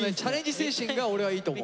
精神が俺はいいと思う。